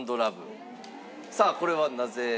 さあこれはなぜ？